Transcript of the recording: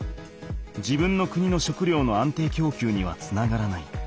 自分の国の食料の安定きょうきゅうにはつながらない。